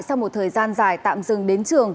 sau một thời gian dài tạm dừng đến trường